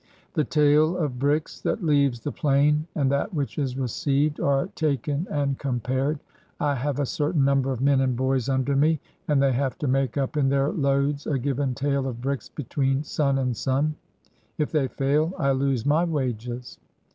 The tale of bricks that leaves the plain and that which is received are taken and compared. I have a certain number of men and boys under me, and they have to make up in their loads a given tale of bricks between sun and sim. If they fail, I lose my wages